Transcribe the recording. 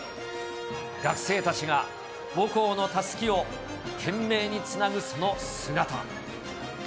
学生たちが母校のたすきを懸命につなぐその姿。